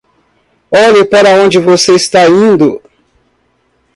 Olhe para onde você está indo!